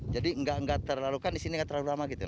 jadi tidak terlalu lama